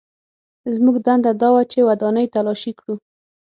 زموږ دنده دا وه چې ودانۍ تلاشي کړو